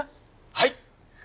はい！